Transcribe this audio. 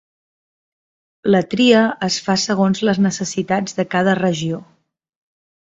La tria es fa segons les necessitats de cada regió.